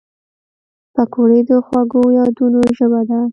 پکورې د خوږو یادونو ژبه ده